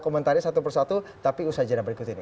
komentari satu persatu tapi usaha jadwal berikut ini